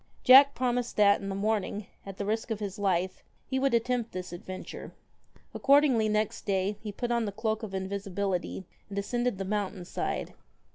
iack promised that, in the morning, at the risk of is life, he would attempt this adventure. Accord ingly next day he put on the cloak of invisibility, and ascended the mountain side.